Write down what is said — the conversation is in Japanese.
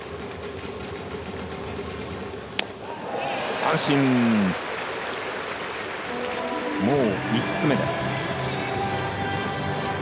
三振、もう５つ目です。